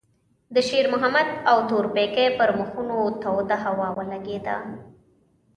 د شېرمحمد او تورپيکۍ پر مخونو توده هوا ولګېده.